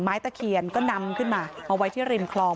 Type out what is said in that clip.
ตะเคียนก็นำขึ้นมามาไว้ที่ริมคลอง